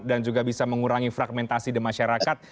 dan juga bisa mengurangi fragmentasi di masyarakat